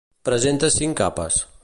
Presenta cinc capes.